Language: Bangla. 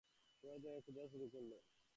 সবাই তাকে খোঁজা শুরু করলো।